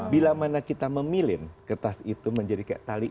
bila mana kita memilih kertas itu menjadi kayak tali